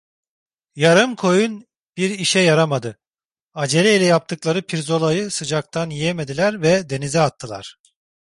Yarım koyun bir işe yaramadı: Acele ile yaptıkları pirzolayı sıcaktan yiyemediler ve denize attılar.